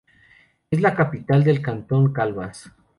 Es la capital del cantón Calvas.